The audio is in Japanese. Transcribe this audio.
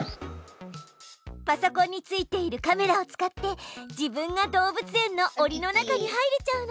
パソコンについているカメラを使って自分が動物園のおりの中に入れちゃうの。